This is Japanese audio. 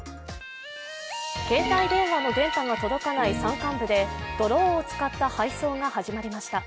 携帯電話の電波が届かない山間部でドローンを使った配送が始まりました。